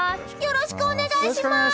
よろしくお願いします！